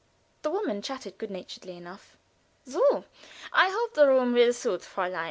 The woman chatted good naturedly enough. "So! I hope the room will suit, Fräulein.